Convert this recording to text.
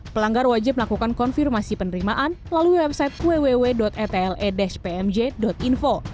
pelanggar wajib melakukan konfirmasi penerimaan lalu website www etle pmj info